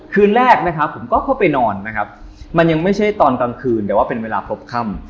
คืนแรกนะครับผมก็เข้าไปนอนนะครับมันยังไม่ใช่ตอนกลางคืนแต่ว่าเป็นเวลาพบค่ำ